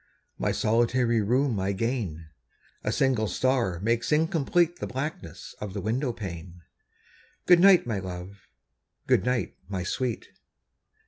My solitary room I gain. A single star makes incomplete The blackness of the window pane. Good night, my love! good night, my sweet!